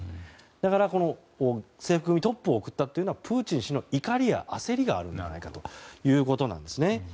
だから制服組トップを送ったというのはプーチン氏の怒りや焦りがあるのではないかということです。